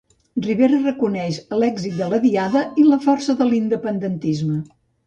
Rivera reconeix l'èxit de la Diada i la força de l'independentisme.